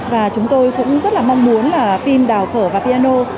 và chúng tôi cũng rất mong muốn phim đào phở và piano